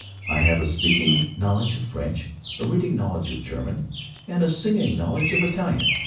I have a speaking knowledge of French, a reading knowledge of German, and a singing knowledge of Italian.